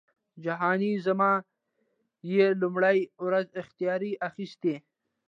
جهانی زما یې له لومړۍ ورځی اختیار اخیستی